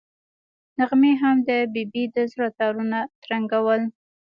نغمې هم د ببۍ د زړه تارونه ترنګول.